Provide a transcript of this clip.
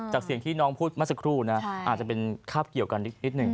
จากเสียงที่น้องพูดเมื่อสักครู่นะอาจจะเป็นคาบเกี่ยวกันนิดหนึ่ง